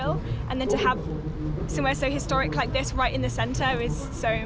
dan memiliki tempat sejarah seperti ini di tengahnya sangat luar biasa